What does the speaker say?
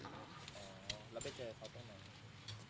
แล้วไปเจอเขาตั้งไหน